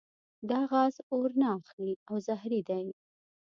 دا غاز اور نه اخلي او زهري دی.